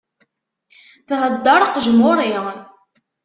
Thedder qejmuri!